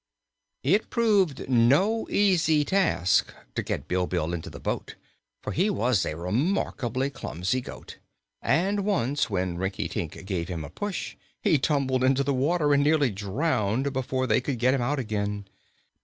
It proved no easy task to get Bilbil into the boat, for he was a remarkably clumsy goat and once, when Rinkitink gave him a push, he tumbled into the water and nearly drowned before they could get him out again.